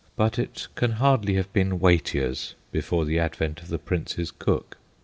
But it can hardly have been * Watier's ' before the advent of the Prince's cook.)